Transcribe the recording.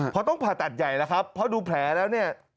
เพราะต้องผ่าตัดใหญ่แล้วครับเพราะดูแผลแล้วเนี่ย